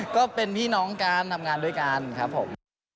ก็เป็นพี่น้องกันทำงานด้วยกันครับผม